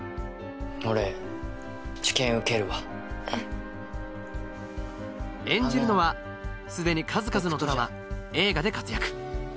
俺治験受けるわ演じるのは既に数々のドラマ映画で活躍